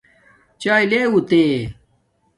چاݵے لے آُتے